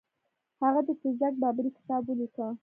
هغه د تزک بابري کتاب ولیکه.